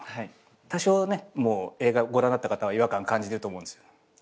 多少ね映画ご覧になった方は違和感感じてると思うんです。